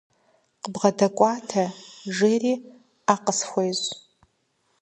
КъыдбгъэдэкӀуатэ, – жери, Ӏэ къысхуещӀ.